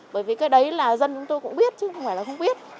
bởi vì cái đấy là dân chúng tôi cũng biết chứ không phải là không biết